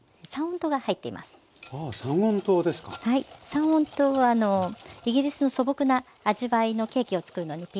三温糖はイギリスの素朴な味わいのケーキを作るのにピッタリです。